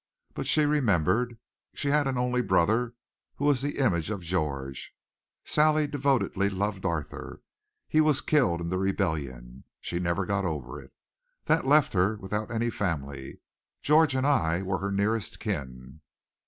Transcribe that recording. But she remembered. She had an only brother who was the image of George. Sally devotedly loved Arthur. He was killed in the Rebellion. She never got over it. That left her without any family. George and I were her nearest kin.